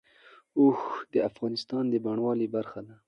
اوښ د افغانستان د بڼوالۍ برخه ده.